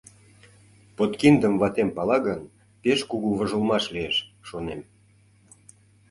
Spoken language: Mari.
Подкиндым ватем пала гын, пеш кугу вожылмаш лиеш, шонем.